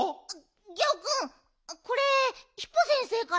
ギャオくんこれヒポ先生から。